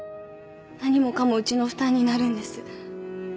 何もかもうちの負担になるんです。